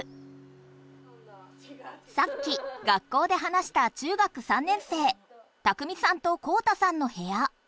さっき学校で話した中学３年生拓海さんと宏太さんのへや。